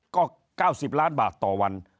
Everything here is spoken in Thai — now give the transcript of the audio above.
ก็เก้าสิบล้านบาทต่อวัน